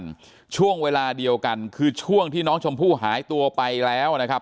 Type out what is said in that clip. ช่วงเวลาเดียวกันคือช่วงที่น้องชมพู่หายตัวไปแล้วนะครับ